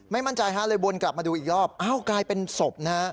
มั่นใจฮะเลยวนกลับมาดูอีกรอบอ้าวกลายเป็นศพนะฮะ